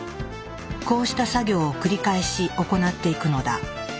こうした作業を繰り返し行っていくのだ。